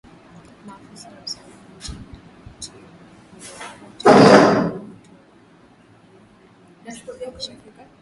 maafisa wa usalama nchini haiti wameripoti vifo vya watu wawili vilivyosababishwa